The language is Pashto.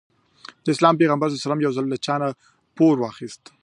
د اسلام پيغمبر ص يو ځل له چانه پور واخيسته.